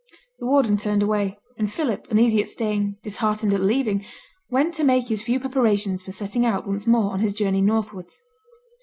The warden turned away; and Philip, uneasy at staying, disheartened at leaving, went to make his few preparations for setting out once more on his journey northwards.